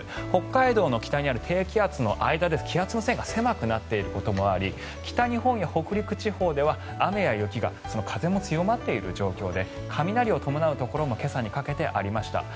北海道の北にある低気圧の間気圧の線が狭くなっていることもあり北日本や北陸地方では雨や雪が風も強まっている状況で雷を伴うところも今朝にかけてありました。